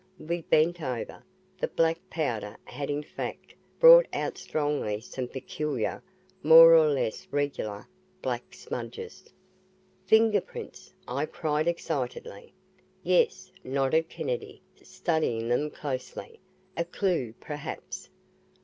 We bent over. The black powder had in fact brought out strongly some peculiar, more or less regular, black smudges. "Finger prints!" I cried excitedly. "Yes," nodded Kennedy, studying them closely. "A clue perhaps."